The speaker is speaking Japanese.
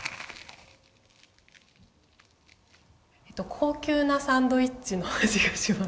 こうきゅうなサンドイッチの味がします。